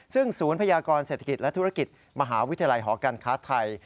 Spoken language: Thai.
ซึ่งศูนย์พยากรเศรษฐกิจและธุรกิจมหาวิทยาลัยหอการค้าไทย